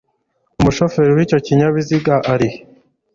umushoferi w'icyo kinyabiziga arihe